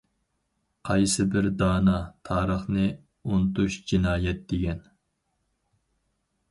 قايسىبىر دانا:‹‹ تارىخنى ئۇنتۇش جىنايەت›› دېگەن.